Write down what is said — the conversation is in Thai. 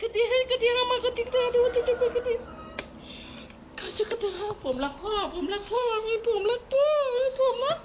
ผมรักพ่อผมรักพ่อผมรักพ่อผมรักพ่อ